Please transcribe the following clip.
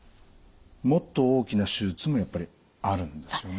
もっと大きな手術もやっぱりあるんですよね？